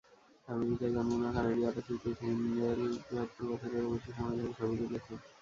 আমেরিকায় জন্ম নেওয়া কানাডীয় আলোকচিত্রী যিমবেল সত্তর বছরেরও বেশি সময় ধরে ছবি তুলেছেন।